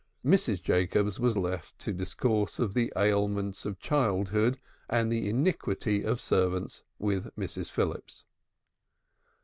Mrs. Jacobs was left to discourse of the ailments of childhood and the iniquities of servants with Mrs. Phillips.